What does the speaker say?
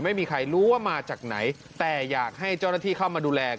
ไม่มีใครรู้ว่ามาจากไหนแต่อยากให้เจ้าหน้าที่เข้ามาดูแล